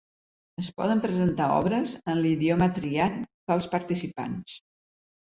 Es poden presentar obres en l'idioma triat pels participants.